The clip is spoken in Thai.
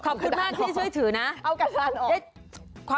ขอบคุณมากที่ช่วยถือน่ะ